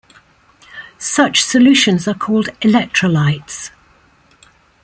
Such solutions are called electrolytes.